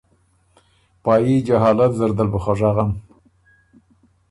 پايي جهالت زر دل بُو خه ژغم